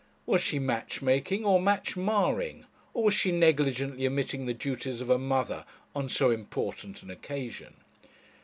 Was she match making or match marring; or was she negligently omitting the duties of a mother on so important an occasion?